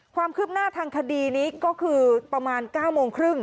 ความคืบหน้าทางคดีนี้ก็คือประมาณ๙โมงครึ่ง